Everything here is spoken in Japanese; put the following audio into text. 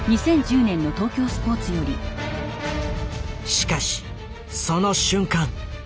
しかしその瞬間。